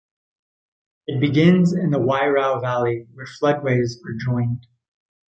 It begins in the Wairau valley where floodways are joined.